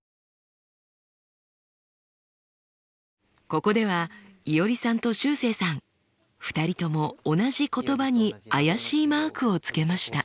ここではいおりさんとしゅうせいさん２人とも同じ言葉に怪しいマークをつけました。